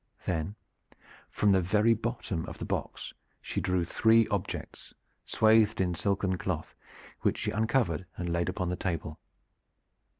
Then from the very bottom of the box she drew three objects, swathed in silken cloth, which she uncovered and laid upon the table.